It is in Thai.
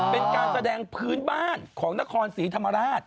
เป็นการแสดงพื้นบ้านของนครศรีธรรมราช